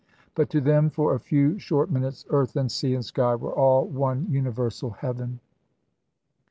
But to them, for a few short minutes, earth and sea and sky were all one universal heaven.